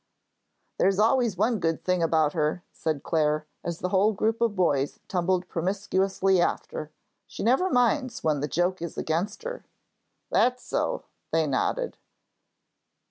"There is always one good thing about her," said Clare, as the whole group of boys tumbled promiscuously after, "she never minds when the joke is against her." "That's so," they nodded.